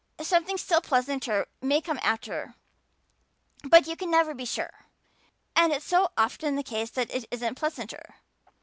Something still pleasanter may come after, but you can never be sure. And it's so often the case that it isn't pleasanter.